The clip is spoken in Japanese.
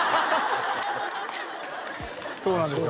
そうなんですよ